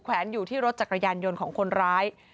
แวนอยู่ที่รถจักรยานยนต์ของคนร้าย